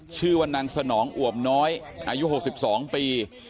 ชื่อว่านางสนองอ่วมน้อยอายุ๖๒ปี